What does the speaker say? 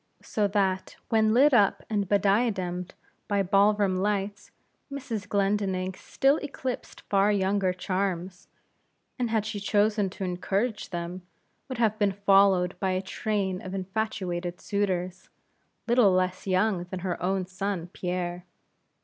So that when lit up and bediademed by ball room lights, Mrs. Glendinning still eclipsed far younger charms, and had she chosen to encourage them, would have been followed by a train of infatuated suitors, little less young than her own son Pierre.